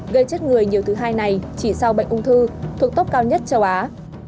gây chết người nhiều thứ hai này chỉ sau bệnh ung thư thuộc tốc cao nhất châu á